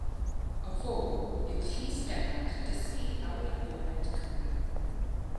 Y fo yw llysgennad dysgu awyr agored Cymru.